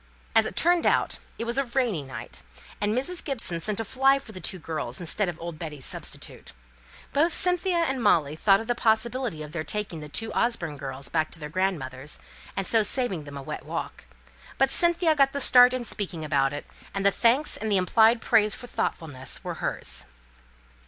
As it turned out, it was a rainy night, and Mrs. Gibson sent a fly for the two girls instead of old Betty's substitute. Both Cynthia and Molly thought of the possibility of their taking the two Orford girls back to their grandmother's, and so saving them a wet walk; but Cynthia got the start in speaking about it; and the thanks and the implied praise for thoughtfulness were hers.